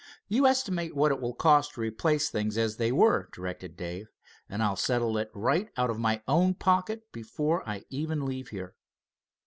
"You estimate what it will cost to replace things as they were," directed Dave, "and I'll settle it right out of my own pocket before I even leave here."